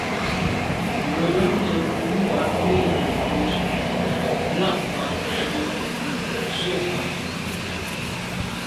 Ngelan ze nkum ba’ mi nekut là bag tswe’ tseba’.